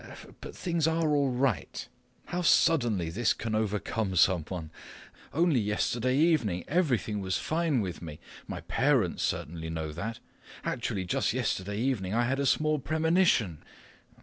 But things are all right. How suddenly this can overcome someone! Only yesterday evening everything was fine with me. My parents certainly know that. Actually just yesterday evening I had a small premonition.